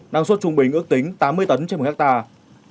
năng suất trung bình ước tính tám mươi tấn trên một hectare